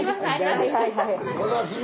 はいはいはい。